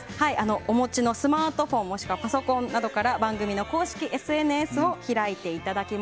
お持ちのスマートフォンもしくはパソコンなどから番組公式ＳＮＳをお開きください。